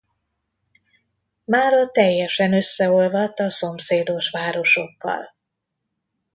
Mára teljesen összeolvadt a szomszédos városokkal.